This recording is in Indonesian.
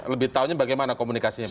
lebih tahunya bagaimana komunikasinya